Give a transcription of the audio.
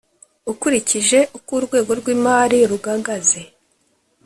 Ukurikije uko urwego rw’ imari rugagaze